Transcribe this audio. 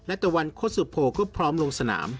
และตะวันโคสุโพก็พร้อมลงสนาม